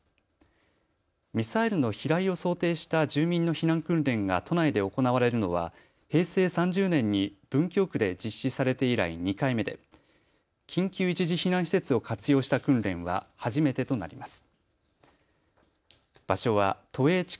ミサイルの飛来を想定した住民の避難訓練が都内で行われるのは平成３０年に文京区で実施されて以来、２回目で緊急一時避難施設を活用した訓練は初めてとなります。